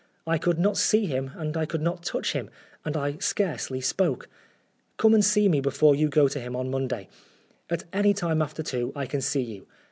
I could not see him and I could not touch him, and I scarcely spoke. Come 201 Oscar Wilde and see me before you go to him on Monday. At any time after two I can see you.